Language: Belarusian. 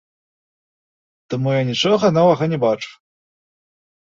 Таму я нічога новага не бачу.